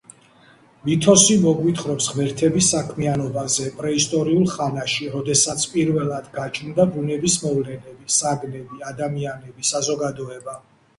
მითოსი მოგვითხრობს ღმერთების საქმიანობაზე პრეისტორიულ ხანაში, როდესაც პირველად გაჩნდა ბუნების მოვლენები, საგნები, ადამიანები, საზოგადოება.